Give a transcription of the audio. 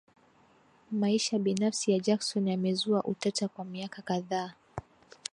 Maisha binafsi ya Jackson yamezua utata kwa miaka kadhaa